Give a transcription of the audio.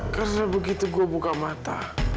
karena begitu gua buka mata